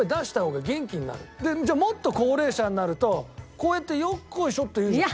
でもっと高齢者になるとこうやって「よっこいしょ」って言うじゃん。